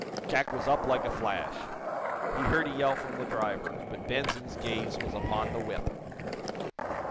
Jack was up like a flash. He heard a yell from the driver, but Benson's gaze was upon the whip.